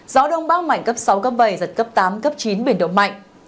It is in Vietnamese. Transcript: gió đông bác mạnh cấp sáu cấp bảy giật cấp tám cấp chín